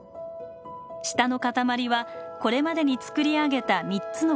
下の塊はこれまでに作り上げた３つの部屋。